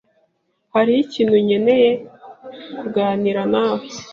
Hariho ikintu nkeneye kuganira nawe.